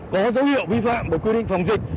có dấu hiệu vi phạm về quy định phòng dịch